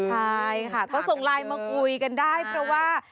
ใช่ค่ะก็ส่งไลน์มาคุยกันได้เพราะว่า